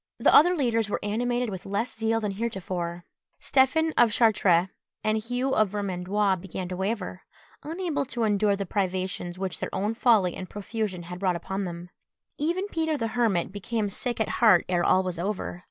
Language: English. The other leaders were animated with less zeal than heretofore. Stephen of Chartres and Hugh of Vermandois began to waver, unable to endure the privations which their own folly and profusion had brought upon them. Even Peter the Hermit became sick at heart ere all was over.